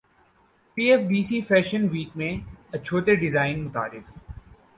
پی F D C fashion week میں اچھوتے design متعارف